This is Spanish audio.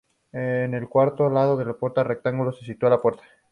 En el cuarto lado del rectángulo se sitúa la puerta.